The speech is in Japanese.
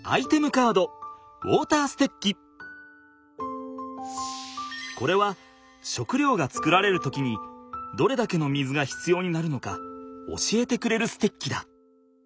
カードこれは食料が作られる時にどれだけの水が必要になるのか教えてくれるステッキだ。